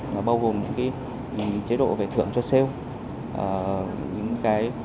nó bao gồm những chế độ phải thưởng cho sale